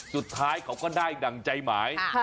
สุดท้ายเขาก็ได้ดั่งใจหมาย